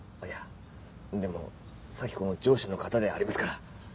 いやでも早季子の上司の方でありますから。